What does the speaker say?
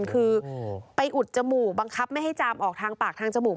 คือไปอุดจมูกบังคับไม่ให้จามออกทางปากทางจมูก